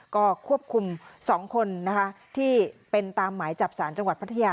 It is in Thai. ก็ควบคุม๒คนนะคะที่เป็นตามหมายจับสารจังหวัดพัทยา